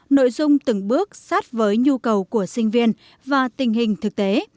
nội dung từng bước sát với nhu cầu của sinh viên và tình hình thực tế